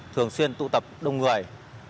thường xuyên tụ tập đông người